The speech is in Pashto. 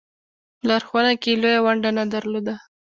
په لارښوونه کې یې لویه ونډه نه درلوده.